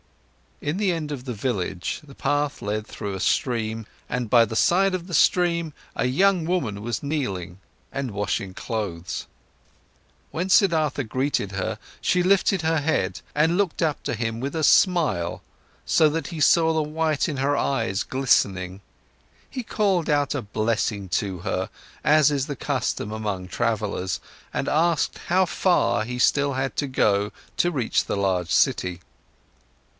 In the end of the village, the path led through a stream, and by the side of the stream, a young woman was kneeling and washing clothes. When Siddhartha greeted her, she lifted her head and looked up to him with a smile, so that he saw the white in her eyes glistening. He called out a blessing to her, as it is the custom among travellers, and asked how far he still had to go to reach the large city.